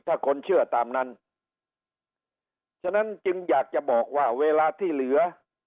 ถ้าคนเชื่อตามนั้นฉะนั้นจึงอยากจะบอกว่าเวลาที่เหลือ